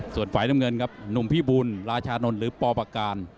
ส่วนฝ่ายน้ำเงินครับหนุ่มพี่บุญราชานนท์หรือปปการ